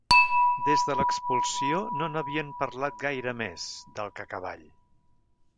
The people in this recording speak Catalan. Des de l'expulsió no n'havien parlat gaire més, del Cacavall.